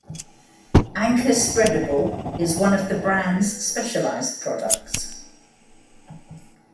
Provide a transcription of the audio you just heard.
Anchor Spreadable is one of the brand's specialised products.